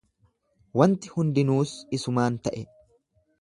Wanti hundinuus isumaan ta'e.